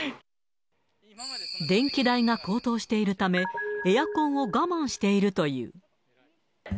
電気代が高騰しているため、エアコンを我慢しているという。